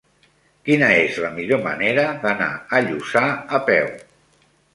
Quina és la millor manera d'anar a Lluçà a peu?